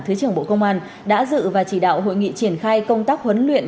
thứ trưởng bộ công an đã dự và chỉ đạo hội nghị triển khai công tác huấn luyện